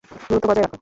দূরত্ব বজায় রাখ।